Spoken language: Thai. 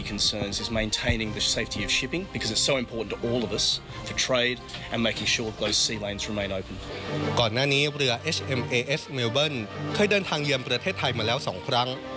เคยเดินทางเยี่ยมประเทศไทยมาแล้ว๒ครั้ง